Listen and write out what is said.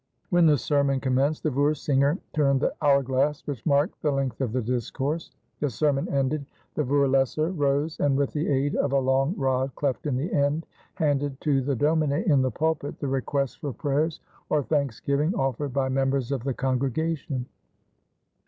When the sermon commenced, the voorsinger turned the hour glass which marked the length of the discourse. The sermon ended, the voorleser rose and, with the aid of a long rod cleft in the end, handed to the domine in the pulpit the requests for prayers or thanksgiving offered by members of the congregation.